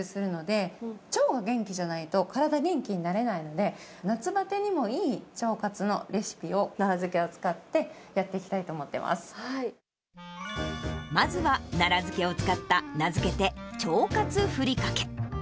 いい栄養って、腸から吸収するので、腸が元気じゃないと、体元気になれないので、夏ばてにもいい、腸活のレシピを、奈良漬けを使ってやっていきたいと思っまずは、奈良漬けを使った、名付けて、腸活ふりかけ。